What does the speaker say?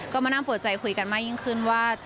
ก็มานั่งปวดใจคุยกันมากยิ่งขึ้นว่า